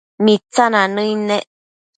Mitsina nëid nec